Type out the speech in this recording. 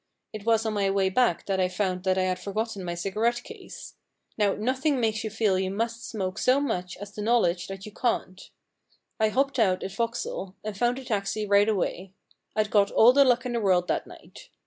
It was on my way back that I found that I had forgotten my cigarette case. Now nothing makes you feel you must smoke so much as the knowledge that you can't. I hopped out at Vauxhall and found a taxi right away — I'd got all the luck in the world that night.